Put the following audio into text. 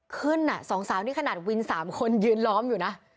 ขึ้นน่ะสองสาวนี้ขนาดวินสามคนยืนล้อมอยู่นะ